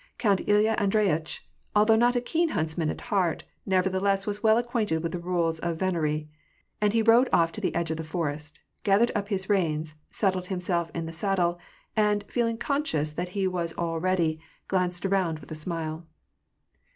Count Ilya Andrey itchy although not a keen huntsman at heart, nevertheless was well acquainted with the rules of venery ; and he rode off to the edge of the forest, gathered up his reins, settled himself in the saddle, and, feeling conscious that he was all ready, glanced around, with a smile.